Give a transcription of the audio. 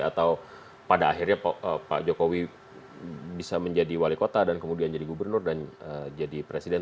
atau pada akhirnya pak jokowi bisa menjadi wali kota dan kemudian jadi gubernur dan jadi presiden